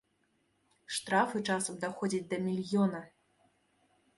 Штрафы часам даходзяць да мільёна.